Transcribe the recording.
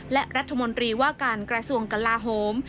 และรัฐมนตรีว่าการกระทรวงกลาโฮม